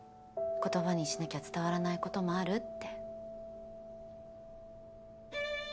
言葉にしなきゃ伝わらない事もあるって。